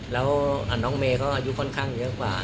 แล้วน้องเมย์ก็อายุค่อนข้างเยอะกว่า